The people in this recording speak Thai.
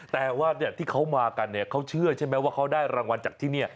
แต่ว่าที่เขามากันเนี่ยเขาเชื่อใช่ไหมว่าเขาได้รางวัลจากที่นี่